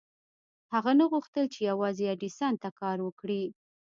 هغه نه غوښتل چې يوازې ايډېسن ته کار وکړي.